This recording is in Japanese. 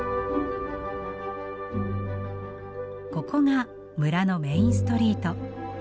ここが村のメインストリート。